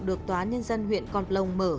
được tòa nhân dân huyện con plong mở